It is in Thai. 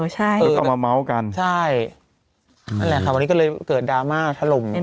ใช่เขาก็ก็ทำไมอ่ะนั่นแหละอายุเขาคนอยู่อาจถึงเวลาที่จะต้อง